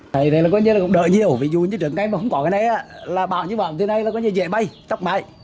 đây là có nghĩa là cũng đỡ nhiều vì dù như trận ngày mà không có cái này là bão như bão thế này là có nghĩa dễ bay tốc mái